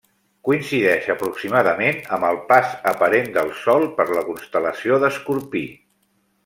Coincideix aproximadament amb el pas aparent del Sol per la constel·lació d'Escorpí.